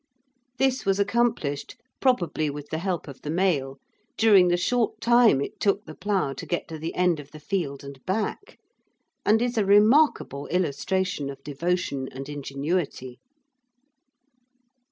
This was accomplished, probably with the help of the male, during the short time it took the plough to get to the end of the field and back, and is a remarkable illustration of devotion and ingenuity.